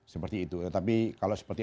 seperti itu tetapi kalau seperti